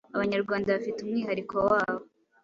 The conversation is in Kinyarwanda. abanyarwanda bafite umwihariko wabo